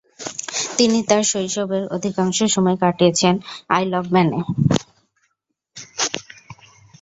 তিনি তার শৈশবের অধিকাংশ সময় কাটিয়েছেন আইল অব ম্যানে।